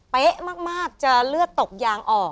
เป๊ะมากเจอเลือดตกยางออก